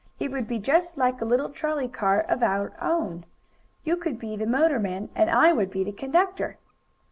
"It would be just like a little trolley car of out own. You could be the motorman and I Would be the conductor."